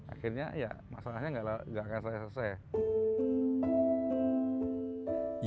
akhirnya ya masalahnya nggak akan selesai